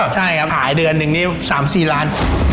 ใช่ครับขายเดือนหนึ่งนี่๓๔ล้าน